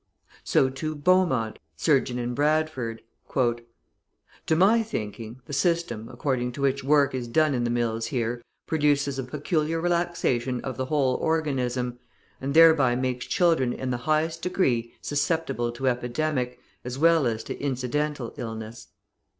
So, too, Beaumont, surgeon in Bradford: "To my thinking, the system, according to which work is done in the mills here, produces a peculiar relaxation of the whole organism, and thereby makes children in the highest degree susceptible to epidemic, as well as to incidental illness.